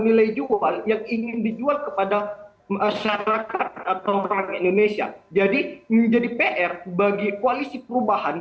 dijual yang ingin dijual kepada masyarakat atau indonesia jadi menjadi pr bagi koalisi perubahan